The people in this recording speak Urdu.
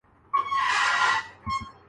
مارچ سے یہاں پہاڑوں پر سے